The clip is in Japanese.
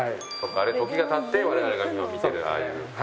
時が経って我々が今見てるああいう。